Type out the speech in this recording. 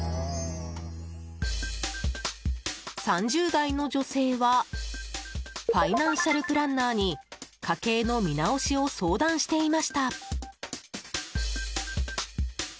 ３０代の女性はファイナンシャルプランナーに家計の見直しを相談していました。